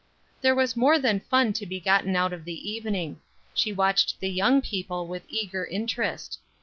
There was more than fun to be gotten out of the evening; she watched the young people with eager interest.